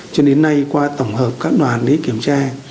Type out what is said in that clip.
cho đến nay qua tổng hợp các đoàn đi kiểm tra